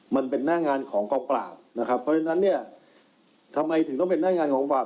มันเป็นหน้างานของกองปราบนะครับเพราะฉะนั้นเนี่ยทำไมถึงต้องเป็นหน้างานของกองปราบ